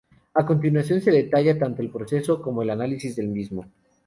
A continuación se detalla tanto el proceso como el análisis del mismo.